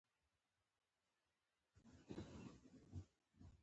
دوی په هند کې اسلام وويشلو.